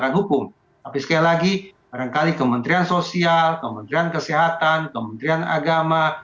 tapi sekali lagi kadangkala kementerian sosial kementerian kesehatan kementerian agama